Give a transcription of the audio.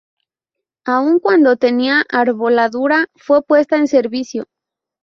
Aun cuando no tenía arboladura, fue puesta en servicio.